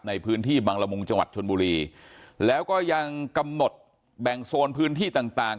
ในพื้นที่บังละมุงจังหวัดชนบุรีแล้วก็ยังกำหนดแบ่งโซนพื้นที่ต่างต่าง